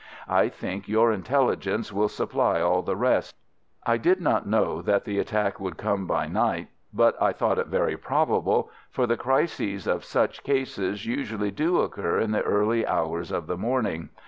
I think your intelligence will supply all the rest. I did not know that the attack would come by night, but I thought it very probable, for the crises of such cases usually do occur in the early hours of the morning.